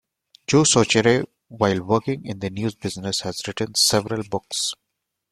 Joe Soucheray, while working in the news business, has written several books.